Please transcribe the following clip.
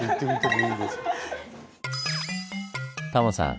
タモさん